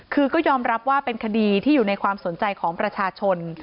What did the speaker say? คือก็ยอมรับว่าเป็นคดีที่อยู่ในความสนใจของประชาชน